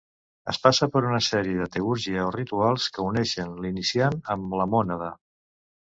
Es passa per una sèrie de teúrgia o rituals que uneixen l'iniciat amb la Mònada.